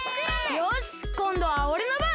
よしこんどはおれのばん！